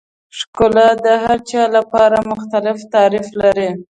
ښکلا د هر چا لپاره مختلف تعریف لري.